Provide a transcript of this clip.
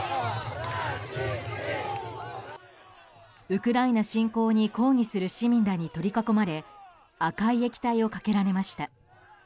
ウクライナ侵攻に抗議する市民らに取り囲まれ赤い液体をかけられました。